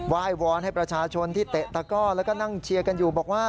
ยวอนให้ประชาชนที่เตะตะก้อแล้วก็นั่งเชียร์กันอยู่บอกว่า